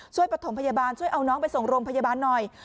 ประถมพยาบาลช่วยเอาน้องไปส่งโรงพยาบาลหน่อย